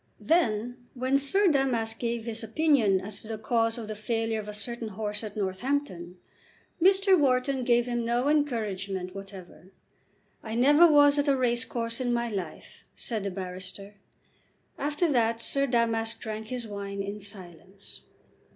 Then when Sir Damask gave his opinion as to the cause of the failure of a certain horse at Northampton, Mr. Wharton gave him no encouragement whatever. "I never was at a racecourse in my life," said the barrister. After that Sir Damask drank his wine in silence.